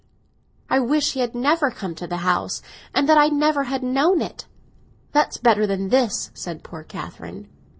"I wish he never had come to the house, and that I never had known it! That's better than this," said poor Catherine.